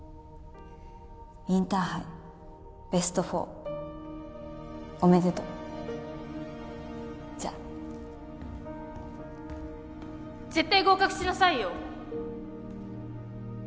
インターハイベスト４おめでとうじゃあ絶対合格しなさいよ